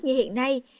như hiện nay